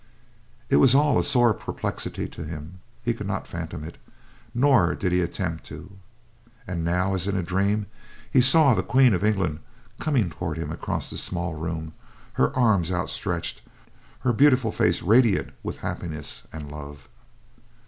It was all a sore perplexity to him; he could not fathom it, nor did he attempt to. And now, as in a dream, he saw the Queen of England coming toward him across the small room, her arms outstretched; her beautiful face radiant with happiness and love.